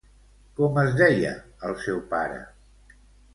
Com es deia el seu pare?